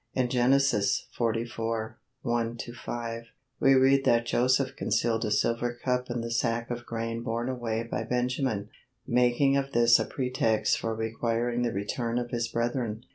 In Genesis xliv, 1 5, we read that Joseph concealed a silver cup in the sack of grain borne away by Benjamin, making of this a pretext for requiring the return of his brethren.